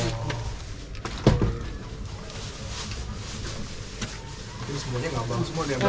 ini semuanya ngambang